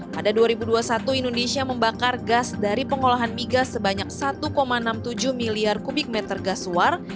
pada dua ribu dua puluh satu indonesia membakar gas dari pengolahan migas sebanyak satu enam puluh tujuh miliar kubik meter gas suar